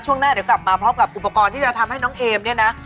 ช่วงหน้าเดี๋ยวกลับมาพร้อมกับอุปกรณ์ที่จะทำให้น้องเอมเนี่ยนะ